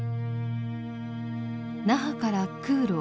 那覇から空路